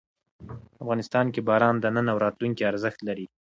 افغانستان کې باران د نن او راتلونکي ارزښت لري.